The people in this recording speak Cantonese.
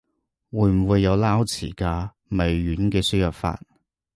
會唔會有撈詞㗎？微軟嘅輸入法